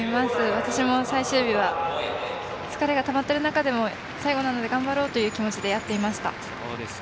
私も最終日は疲れがたまってる中でも最後なので頑張ろうという気持ちでやっていました。